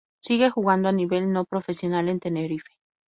Sigue jugando a nivel no profesional en Tenerife.